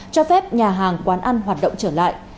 cho phép nhà hàng quán ăn hoạt động trở lại